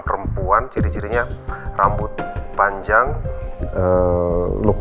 perempuan ciri cirinya rambut panjang look nya berwarna merah atau apa